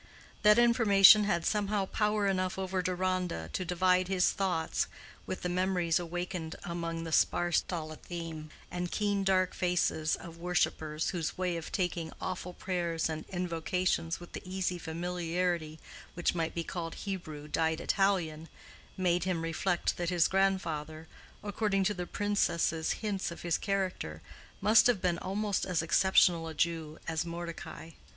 That information had somehow power enough over Deronda to divide his thoughts with the memories wakened among the sparse talithim and keen dark faces of worshippers whose way of taking awful prayers and invocations with the easy familiarity which might be called Hebrew dyed Italian, made him reflect that his grandfather, according to the Princess's hints of his character, must have been almost as exceptional a Jew as Mordecai.